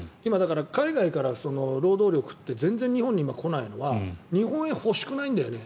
海外から労働力って日本に今、来ないのは日本円欲しくないんだよね